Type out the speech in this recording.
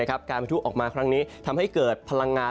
การประทุออกมาครั้งนี้ทำให้เกิดพลังงาน